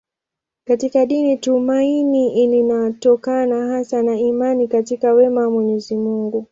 Katika dini tumaini linatokana hasa na imani katika wema wa Mwenyezi Mungu.